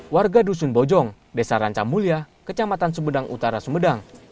warga dusun bojong desa rancamulya kecamatan sumedang utara sumedang